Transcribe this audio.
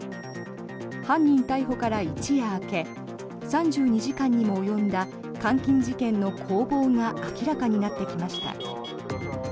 犯人逮捕から一夜明け３２時間にも及んだ監禁事件の攻防が明らかになってきました。